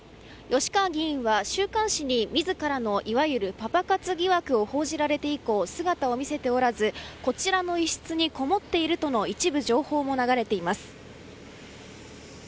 吉川議員は、週刊誌に自らのいわゆるパパ活疑惑を報じられて以降姿を見せておらずこちらの一室にこもっているとの一部情報も流れています。